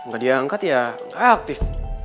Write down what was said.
gak diangkat ya gak aktif